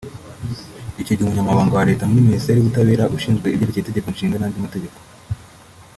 Icyo gihe Umunyamabanga wa Leta muri Minisiteri y’Ubutabera ushinzwe ibyerekeye Itegeko Nshinga n’andi mategeko